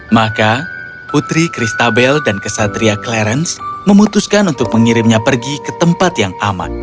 maka putri christabel dan kesatria clarence memutuskan untuk mengirimnya pergi ke tempat yang aman